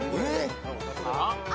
えっ！？